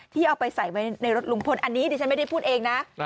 ที่เอาไปใส่ในรถลุงพลอันนี้เดี๋ยวที่ชั้นไม่ได้พูดเองนะ